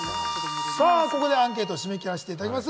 ここでアンケートを締め切らせていただきます。